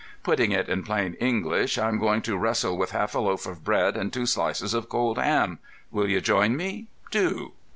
"Putting it in plain English, I'm going to wrestle with half a loaf of bread and two slices of cold ham. Will you join me? Do."